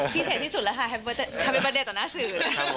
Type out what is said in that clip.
พิเศษที่สุดแล้วค่ะทำเป็นประเด็นต่อหน้าสื่อเลย